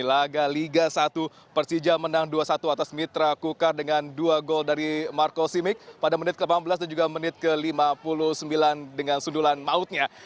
laga liga satu persija menang dua satu atas mitra kukar dengan dua gol dari marco simic pada menit ke delapan belas dan juga menit ke lima puluh sembilan dengan sundulan mautnya